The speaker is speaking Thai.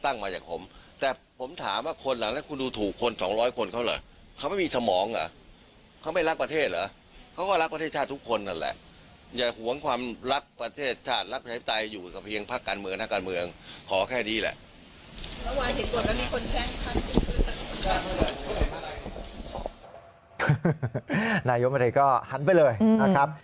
นายกรัฐมนตรีก็หันไปเลยนะครับ